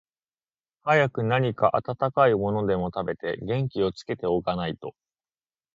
早く何か暖かいものでも食べて、元気をつけて置かないと、